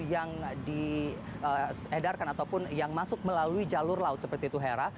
yang diedarkan ataupun yang masuk melalui jalur laut seperti itu hera